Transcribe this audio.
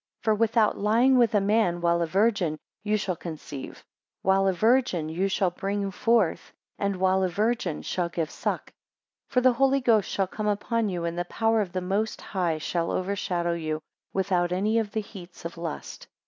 18 For, without lying with a man, while a Virgin, you shall conceive; while a Virgin, you shall bring forth; and while a Virgin shall give suck. 19 For the Holy Ghost shall come upon you, and the power of the Most High shall overshadow you, without any of the heats of lust.